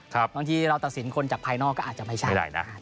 บางทีเราตัดสินคนจากภายนอกก็อาจจะไม่ใช่นะครับ